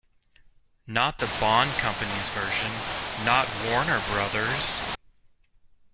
Not the bond company's version, not Warner Brothers'.